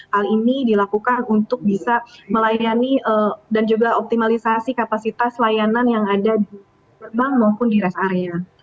hal ini dilakukan untuk bisa melayani dan juga optimalisasi kapasitas layanan yang ada di gerbang maupun di rest area